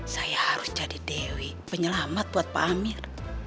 saya harus jadi dewi penyelamat buat pak amir